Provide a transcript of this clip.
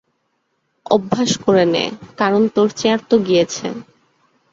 অভ্যাস করে নে, কারন তোর চেয়ারতো গিয়েছে।